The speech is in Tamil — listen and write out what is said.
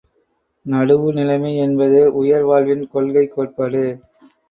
நடுவுநிலைமை என்பது உயர்வாழ்வின் கொள்கை, கோட்பாடு.